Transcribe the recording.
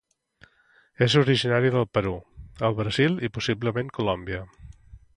És originari del Perú, el Brasil i possiblement Colòmbia.